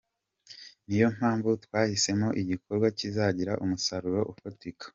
Niyo mpamvu twahisemo igikorwa kizagira umusaruro ufatika.